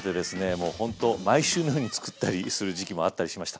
もうほんと毎週のように作ったりする時期もあったりしました。